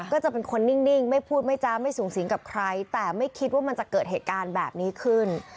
ก็จะเป็นคนนิ่งไม่พูดไม่จ้าไม่สูงสิงกับใครแต่ไม่คิดว่ามันจะเกิดเหตุการณ์แบบนี้ขึ้น